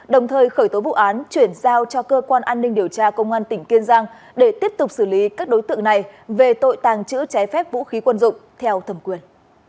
đồng thời khởi tố vụ án chuyển giao cho cơ quan an ninh điều tra công an tỉnh kiên giang để tiếp tục xử lý các đối tượng này về tội tàng trữ trái phép vũ khí quân dụng theo thẩm quyền